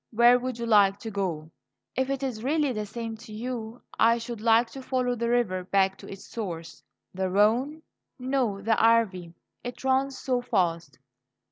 Where would you like to go?" "If it is really the same to you, I should like to follow the river back to its source." "The Rhone?" "No, the Arve; it runs so fast."